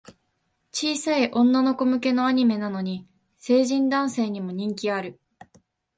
小さい女の子向けのアニメなのに、成人男性にも人気ある